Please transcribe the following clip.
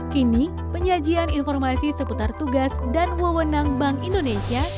kini penyajian informasi seputar tugas dan wewenang bank indonesia